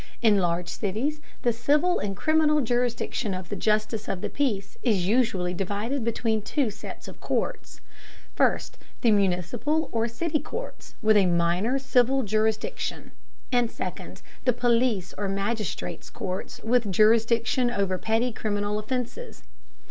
In large cities the civil and criminal jurisdiction of the justice of the peace is usually divided between two sets of courts: first, the municipal or city courts, with a minor civil jurisdiction; and second, the police or magistrates' courts with jurisdiction over petty criminal offenses.